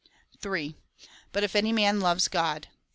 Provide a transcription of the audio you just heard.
275 3. But if any man loves God.